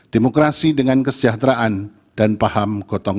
demokrasi dengan kesejahteraan dan paham